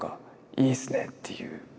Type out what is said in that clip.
いいっすねっていう。